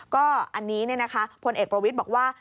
ก็อันนี้พลเอกประวิทย์บอกว่า